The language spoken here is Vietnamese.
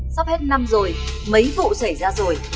sắp hết năm rồi mấy vụ xảy ra rồi